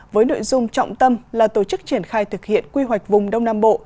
với nội dung trọng tâm là tổ chức triển khai thực hiện quy hoạch vùng đông nam bộ